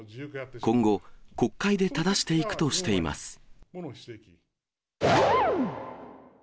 今後、国会でただしていくとしています。